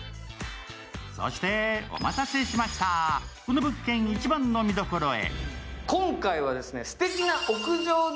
そしてお待たせしました、この物件一番の見どころへ。